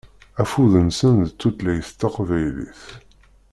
Afud-nsen d tutlayt taqbaylit.